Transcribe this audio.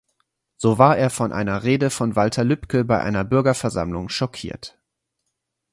So war er von einer Rede von Walter Lübcke bei einer Bürgerversammlung schockiert.